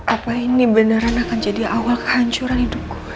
apa ini beneran akan jadi awal kehancuran hidup gue